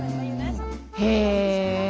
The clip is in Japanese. へえ。